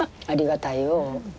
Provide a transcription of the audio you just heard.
ありがたいよ。